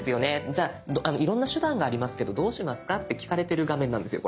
じゃあいろんな手段がありますけどどうしますか？」って聞かれてる画面なんですよ